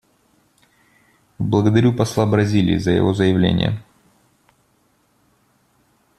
Благодарю посла Бразилии за его заявление.